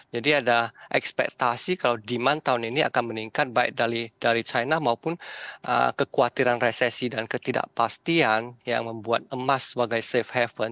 jadi ada ekspektasi kalau demand tahun ini akan meningkat baik dari china maupun kekhawatiran resesi dan ketidakpastian yang membuat emas sebagai safe haven